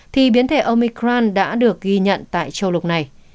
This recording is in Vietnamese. thì biến thể omicran đã được ghi nhận tại châu lục này